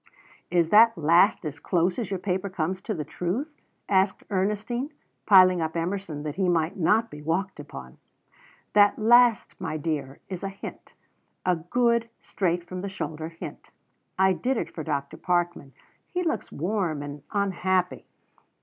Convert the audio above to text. '" "Is that last as close as your paper comes to the truth?" asked Ernestine, piling up Emerson that he might not be walked upon. "That last, my dear, is a hint a good, straight from the shoulder hint. I did it for Dr. Parkman. He looks warm and unhappy."